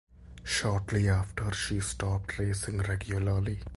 Shortly after she stopped racing regularly.